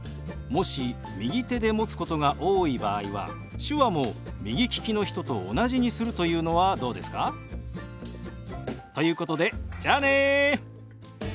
もし右手で持つことが多い場合は手話も右利きの人と同じにするというのはどうですか？ということでじゃあね。